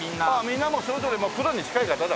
みんなもうそれぞれプロに近い方だね。